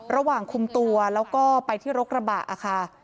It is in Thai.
ระหว่างคุมตัวแล้วก็ไปที่รถกระบะค่ะ